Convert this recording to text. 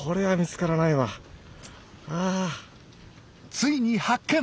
ついに発見！